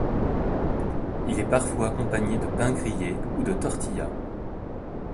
Il est parfois accompagné de pain grillé ou de tortilla.